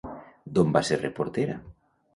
D'on va ser reportera?